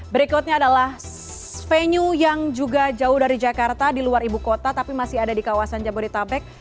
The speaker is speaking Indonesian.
berikutnya adalah venue yang juga jauh dari jakarta di luar ibu kota tapi masih ada di kawasan jabodetabek